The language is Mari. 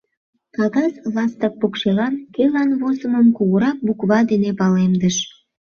Кагаз ластык покшелан кӧлан возымым кугурак буква дене палемдыш: